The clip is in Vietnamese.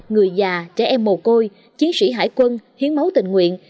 người già trẻ em mồ côi chiến sĩ hải quân hiến máu tình nguyện